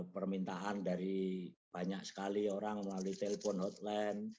permintaan dari banyak sekali orang melalui telepon hotline